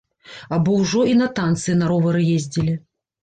Або ўжо і на танцы на ровары ездзілі.